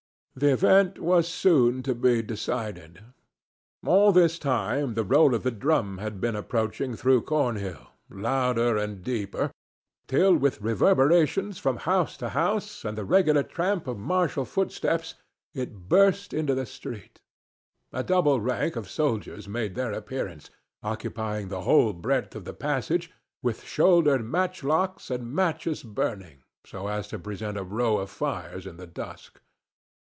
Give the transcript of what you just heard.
The event was soon to be decided. All this time the roll of the drum had been approaching through Cornhill, louder and deeper, till with reverberations from house to house and the regular tramp of martial footsteps it burst into the street. A double rank of soldiers made their appearance, occupying the whole breadth of the passage, with shouldered matchlocks and matches burning, so as to present a row of fires in the dusk.